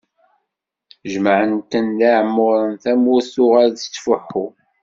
Jemɛen-ten d iɛemmuṛen, tamurt tuɣal tettfuḥu.